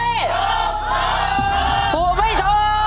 หัวไม่ทอ